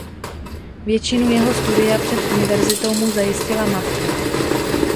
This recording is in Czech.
Většinu jeho studia před univerzitou mu zajistila matka.